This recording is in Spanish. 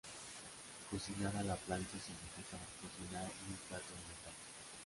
Cocinar a la plancha significa cocinar en un plato de metal.